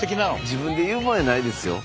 自分で言うもんやないですよ。